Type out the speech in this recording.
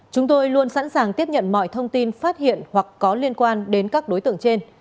chúng tôi luôn sẵn sàng tiếp nhận mọi thông tin phát hiện hoặc có liên quan đến các đối tượng trên